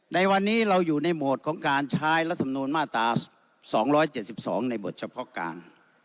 ในวันนี้เราอยู่ในโหมดของการใช้รัฐมนูลมาตรา๒๗๒ในบทเฉพาะการ